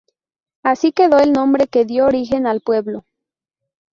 Así quedó el nombre que dio origen al pueblo.